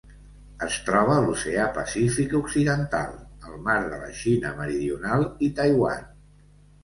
Es troba a l'Oceà Pacífic occidental: el Mar de la Xina Meridional i Taiwan.